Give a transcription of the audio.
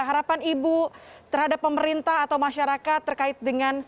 harapan ibu terhadap pemerintah atau masyarakat terkait dengan sekolah atau pengajaran